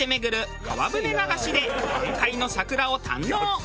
流しで満開の桜を堪能。